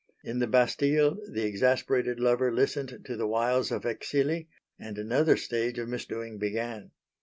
In the Bastille the exasperated lover listened to the wiles of Exili; and another stage of misdoing began.